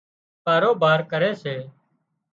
ڪاروبار ڪري سي